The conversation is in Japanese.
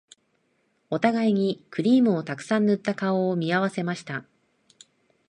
お互いにクリームをたくさん塗った顔を見合わせました